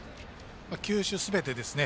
球種、すべてですね。